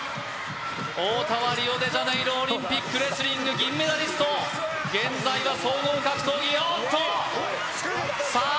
太田はリオデジャネイロオリンピックレスリング銀メダリスト現在は総合格闘技おっとさあ